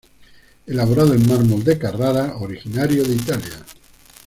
Elaborado en mármol de Carrara, originario de Italia.